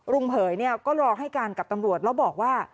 เผยก็รอให้การกับตำรวจแล้วบอกว่า